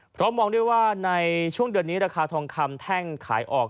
เพราะมองด้วยว่าในช่วงเดือนนี้ราคาทองคำแท่งขายออก